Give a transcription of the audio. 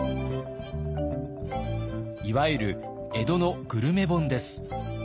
いわゆる江戸のグルメ本です。